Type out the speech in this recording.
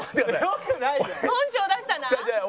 本性出したな！